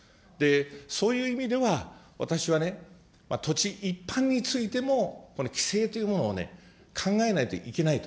そういう意味では、私はね、土地一般についてもこの規制というものをね、考えないといけないと。